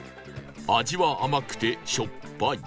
味は甘くてしょっぱい